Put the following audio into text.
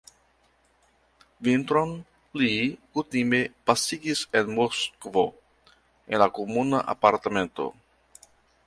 Vintron li kutime pasigis en Moskvo, en la komuna apartamento.